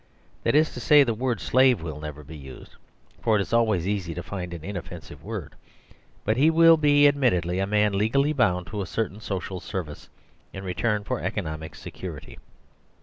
That is to say, the word slave will never be used; for it is always easy to find an inoffensive word; but he will be ad mittedly a man legally bound to certain social service, in return for economic security.